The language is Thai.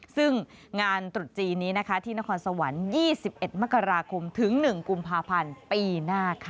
ซึ่งงานตรุษจีนนี้นะคะที่นครสวรรค์๒๑มกราคมถึง๑กุมภาพันธ์ปีหน้าค่ะ